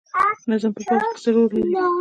نظم په پوځ کې څه رول لري؟